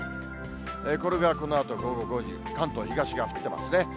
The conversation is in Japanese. これがこのあと午後５時、関東東側降ってますね。